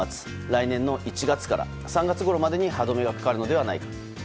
来年の１月から３月ごろまでに歯止めがかかるのではないかと。